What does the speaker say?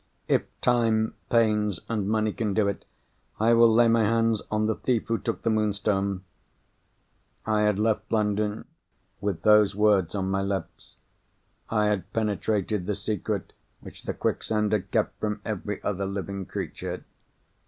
"If time, pains, and money can do it, I will lay my hand on the thief who took the Moonstone."—I had left London, with those words on my lips. I had penetrated the secret which the quicksand had kept from every other living creature.